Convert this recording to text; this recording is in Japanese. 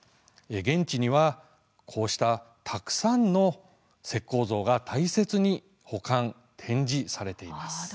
現地にはたくさんの石こう像が大切に保管、展示されています。